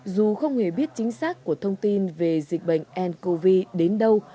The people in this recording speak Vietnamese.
dù không hề biết chính xác của thông tin về dịch bệnh ncov đến đâu